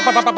pak d pak d